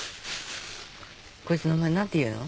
こいつ名前何ていうの？